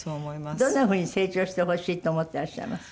どんな風に成長してほしいと思ってらっしゃいます？